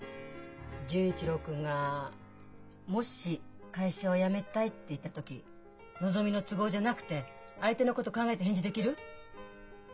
純一郎君がもし「会社を辞めたい」って言った時のぞみの都合じゃなくて相手のこと考えて返事できる？